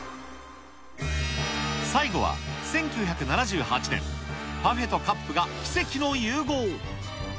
最後は１９７８年、パフェとカップが奇跡の融合。